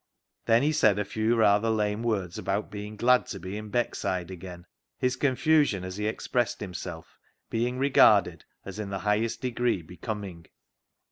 Then he said a few rather lame words about being glad to be in Beckside again, his confusion as he expressed himself being regarded as in the highest degree be coming.